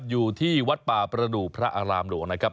อยู่ที่วัดป่าประดูกพระอารามหลวงนะครับ